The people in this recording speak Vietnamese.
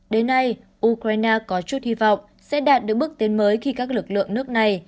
đến nay ukraine có chút hy vọng sẽ đạt được bước tiến mới khi các lực lượng nước này